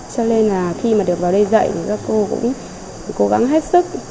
cho nên là khi mà được vào đây dạy thì các cô cũng cố gắng hết sức